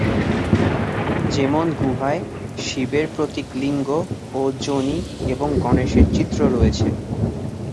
যেমন গুহায় শিবের প্রতীক লিঙ্গ ও যোনি এবং গণেশের চিত্র রয়েছে।